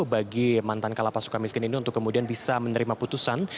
bagi mantan kalapas suka miskin ini untuk kemudian bisa menerima putusan